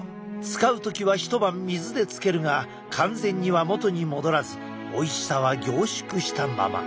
使う時は１晩水でつけるが完全には元に戻らずおいしさは凝縮したまま。